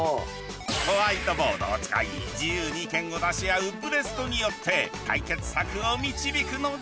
ホワイトボードを使い自由に意見を出し合うブレストによって解決策を導くのじゃ！